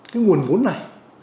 cái nguồn vốn này